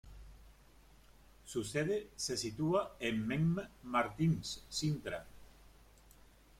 Su sede se sitúa en Mem Martins, Sintra.